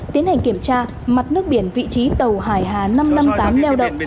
tiến hành kiểm tra mặt nước biển vị trí tàu hải hà năm trăm năm mươi tám neo đậu